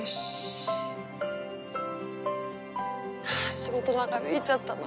仕事長引いちゃったな。